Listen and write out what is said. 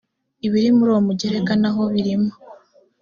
ibiri muri uwo mugereka n’aho birimo